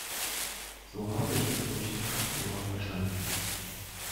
So habe ich es durch die Kopfhörer verstanden.